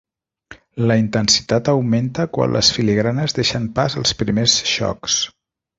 La intensitat augmenta quan les filigranes deixen pas als primers xocs.